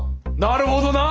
なるほどな！